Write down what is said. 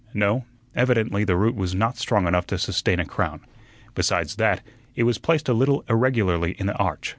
No, evidently the root was not strong enough to sustain a crown; besides that, it was placed a little irregularly in the arch.